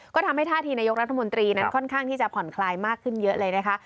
ก็ทำให้ท่าทีนายกรัฐมนตรีนั้นค่อนข้างที่จะผ่อนคลายมากขึ้นเยอะเลยนะคะ